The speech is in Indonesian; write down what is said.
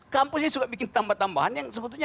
kampusnya suka bikin tambah tambahan yang sebetulnya